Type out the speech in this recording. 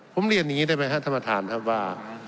ผมเรียนอย่างนี้ได้ไหมครับท่านประธานครับว่า